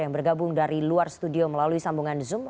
yang bergabung dari luar studio melalui sambungan zoom